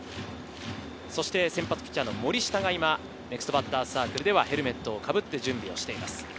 そして先発ピッチャーの森下が今、ネクストバッターズサークルではヘルメットをかぶって準備をしています。